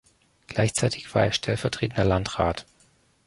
Gleichzeitig war er stellvertretender Landrat.